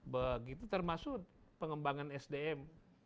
begitu termasuk pengembangan sdm